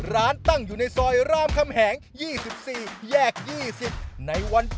เราต้องไปล้างจานครับผม